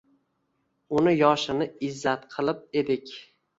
Uni yoshini izzat qilib edik